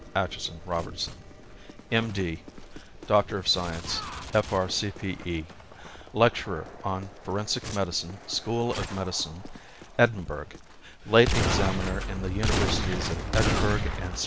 AITCHISON ROBERTSON M.D., D.Sc., F.R.C.P.E. LECTURER ON FORENSIC MEDICINE, SCHOOL OF MEDICINE, EDINBURGH; LATE EXAMINER IN THE UNIVERSITIES OF EDINBURGH AND ST.